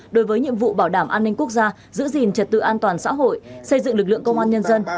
đối với nhiệm vụ bảo đảm an ninh quốc gia giữ gìn trật tự an toàn xã hội xây dựng lực lượng công an nhân dân